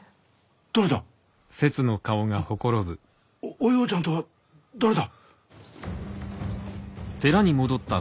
おようちゃんとは誰だ？